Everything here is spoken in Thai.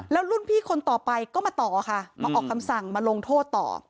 แล้วรุ่นพี่คนต่อไปก็มาต่อค่ะมาออกคำสั่งมาลงโทษต่อ